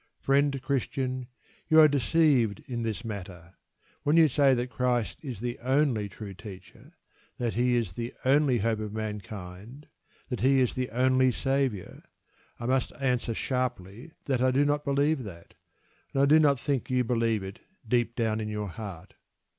Friend Christian, you are deceived in this matter. When you say that Christ is the only true teacher, that He is the only hope of mankind, that He is the only Saviour, I must answer sharply that I do not believe that, and I do not think you believe it deep down in your heart.